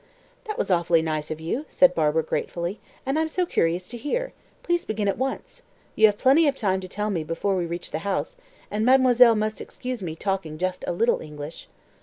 "That was awfully nice of you," said Barbara gratefully, "and I'm so curious to hear. Please begin at once. You have plenty time to tell me before we reach the house, and mademoiselle must excuse me talking just a little English."